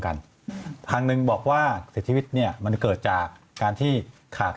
กันทางหนึ่งบอกว่าเสียชีวิตเนี่ยมันเกิดจากการที่ขาด